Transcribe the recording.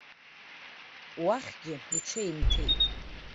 Уахьгьы иҽеимҭеит.